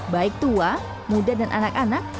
baik tua muda dan anak anak